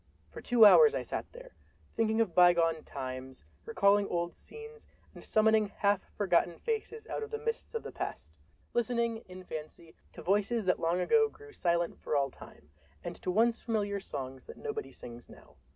For two hours I sat there, thinking of bygone times; recalling old scenes, and summoning half forgotten faces out of the mists of the past; listening, in fancy, to voices that long ago grew silent for all time, and to once familiar songs that nobody sings now.